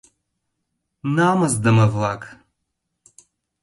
Намысдыме-влак!..